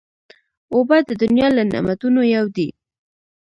اوبه د دنیا له نعمتونو یو دی.